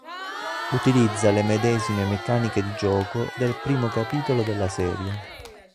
Utilizza le medesime meccaniche di gioco del primo capitolo della serie.